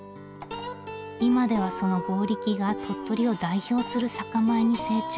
今ではその強力が鳥取を代表する酒米に成長。